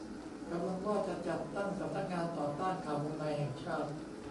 กำลังว่าจะจัดตั้ง สำนักงานต่อต้านข่าววงในแห่งชาติ